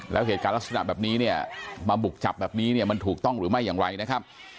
แล้วเหตุการณ์ลักษณะแบบนี้เนี่ยมาบุกจับแบบนี้เนี่ยมันถูกต้องหรือไม่อย่างไรนะครับ